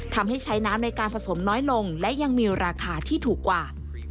ทำให้ใช้น้ำในการผสมน้อยลงและยังมีราคาที่ถูกกว่า